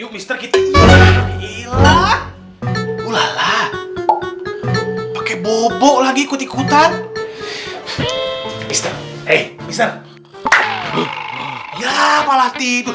yuk mister kita gila ulala pakai bobo lagi ikut ikutan mister eh bisa ya malah tidur